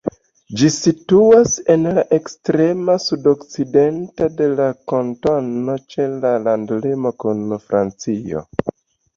Ĝi situas en la ekstrema sudokcidento de la kantono ĉe la landlimo kun Francio.